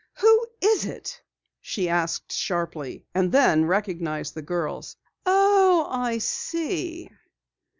"Who is it?" she asked sharply, and then recognized the girls. "Oh, I see!"